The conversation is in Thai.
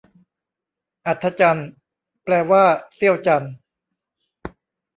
อัฒจันทร์ แปลว่าเสี้ยวจันทร์